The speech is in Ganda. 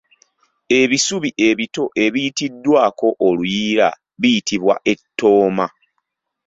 Ebisubi ebito ebiyitiddwako oluyiira biyitibwa Ettooma.